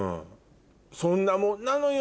そんなもんなのよ